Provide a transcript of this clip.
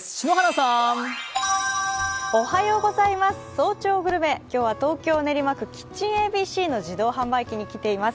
「早朝グルメ」、今日は東京練馬区、キッチンＡＢＣの自動販売機に来ています。